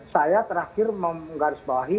saya terakhir menggarisbawahi